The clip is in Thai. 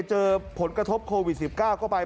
เจอผลกระทบโควิด๑๙เข้าไป